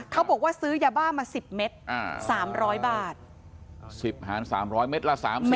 เขาบอกว่าซื้อยาบ้ามา๑๐เมตร